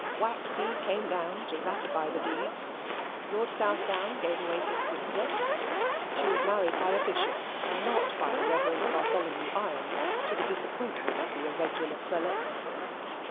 Waxy came down to ratify the deeds Lord Southdown gave away his sister she was married by a Bishop, and not by the Rev. Bartholomew Irons to the disappointment of the irregular prelate.